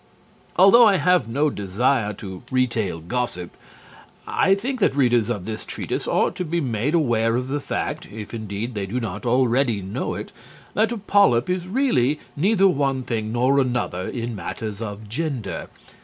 Although I have no desire to retail gossip, I think that readers of this treatise ought to be made aware of the fact (if, indeed, they do not already know it) that a polyp is really neither one thing nor another in matters of gender.